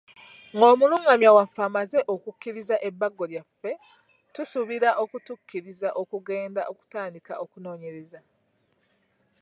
Ng'omulungamya waffe amaze okukkiriza ebbago lyaffe, tusuubira okutukkiriza okugenda okutandika okunoonyereza.